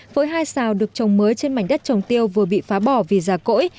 với hai xào được trồng mới trên mảnh đất trồng tiêu vừa bị phá bỏ vì già cỗi